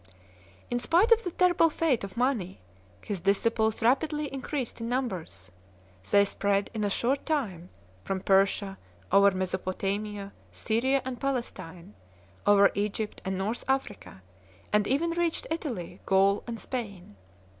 In spite of the terrible fate of Mani, his disciples rapidly increased in numbers ; they spread in a short time from Persia over Mesopotamia, Syria, and Palestine, over Egypt and North Africa, and even reached Italy, Gaul, and Spain.